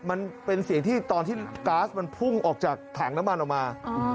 มันเป็นเสียงที่ตอนที่ก๊าซมันพุ่งออกจากถังน้ำมันออกมา